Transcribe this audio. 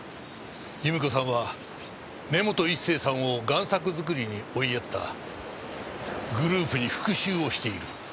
由美子さんは根本一成さんを贋作作りに追いやったグループに復讐をしている。